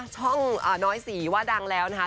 ช่องน้อยสีว่าดังแล้วนะคะ